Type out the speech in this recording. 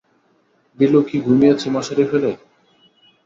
বিলু কি ঘুমিয়েছি মশারি ফেলে?